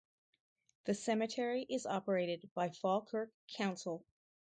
The cemetery is operated by Falkirk Council.